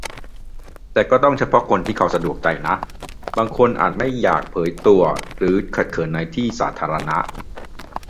แต่ก็ต้องเฉพาะคนที่เขาสะดวกใจนะ บางคนอาจไม่อยากเผยตัว หรือขัดเขินในที่สาธารณะ